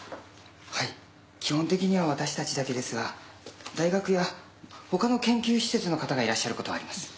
はい基本的には私たちだけですが大学や他の研究施設の方がいらっしゃることはあります。